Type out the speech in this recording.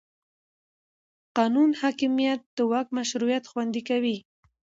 د قانون حاکمیت د واک مشروعیت خوندي کوي